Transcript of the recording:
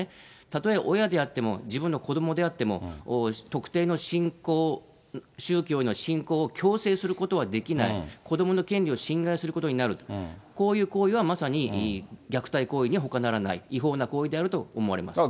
たとえ親であっても、自分の子どもであっても、特定の信仰、宗教への信仰を強制することはできない、子どもの権利を侵害することになると、こういう行為はまさに虐待行為にほかならない、違法な行為であると思われます。